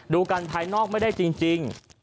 ดูกันภายนอกไม่ได้จริง